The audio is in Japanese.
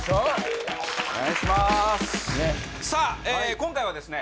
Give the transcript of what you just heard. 今回はですね